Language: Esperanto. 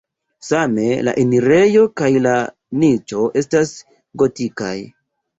Same la enirejo kaj la niĉo estas gotikaj.